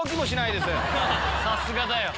さすがだよ。